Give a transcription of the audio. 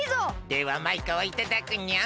ではマイカはいただくにゃん！